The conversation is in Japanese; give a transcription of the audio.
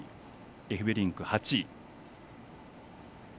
エフベリンク８位。